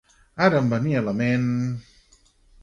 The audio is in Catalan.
Ara em venia a la ment...